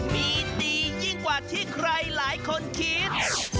มีดียิ่งกว่าที่ใครหลายคนคิด